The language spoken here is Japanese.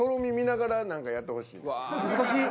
難しい！